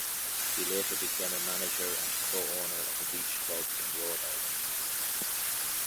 He later became a manager and co-owner of a beach club in Rhode Island.